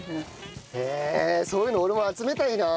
へえそういうの俺も集めたいな。